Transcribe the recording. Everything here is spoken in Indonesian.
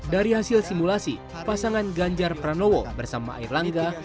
dari hasil simulasi pasangan ganjar pranowo bersama air langga